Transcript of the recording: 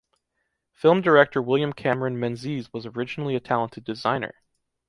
Film director William Cameron Menzies was originally a talented designer.